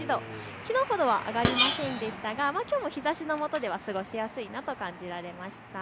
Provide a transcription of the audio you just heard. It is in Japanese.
きのうほどは上がりませんでしたが、きょうも日ざしのもとでは過ごしやすいなと感じられました。